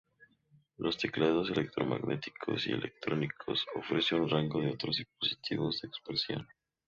Los teclados electromecánicos y electrónicos ofrecen un rango de otros dispositivos de expresión.